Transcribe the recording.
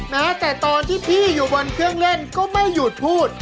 นะแต่ตอนที่พี่อยู่บนเครื่องเล่นก็ไม่หยุดพูด